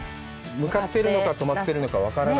向かってるのか、止まってるのか分からない。